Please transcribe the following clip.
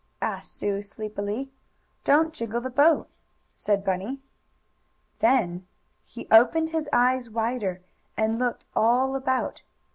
asked Sue, sleepily. "Don't jiggle the boat," said Bunny. Then he opened his eyes wider and looked all about.